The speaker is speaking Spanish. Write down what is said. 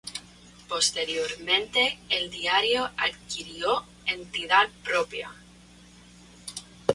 Posteriormente, el diario adquirió entidad propia.